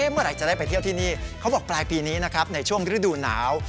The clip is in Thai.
เมื่อไหร่จะได้ไปเที่ยวที่นี่เขาบอกปลายปีนี้นะครับในช่วงฤดูหนาว